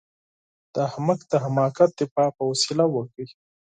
د احمق د حماقت دفاع په وسيله وکړئ.